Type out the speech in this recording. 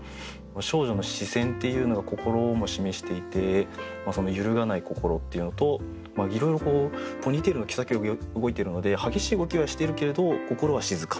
「少女の視線」っていうのが心も示していて揺るがない心っていうのといろいろポニーテールの毛先が動いているので激しい動きはしているけれど心は静か。